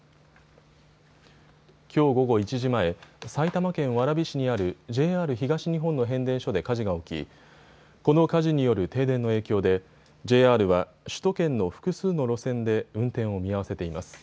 きょう午後１時前、埼玉県蕨市にあるＪＲ東日本の変電所で火事が起き、この火事による停電の影響でＪＲは首都圏の複数の路線で運転を見合わせています。